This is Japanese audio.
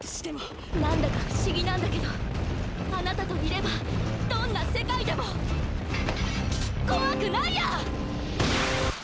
何だか不思議なんだけどあなたといればどんな世界でも怖くないや！